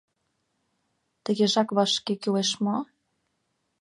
Тыгежак вашке кӱлеш мо?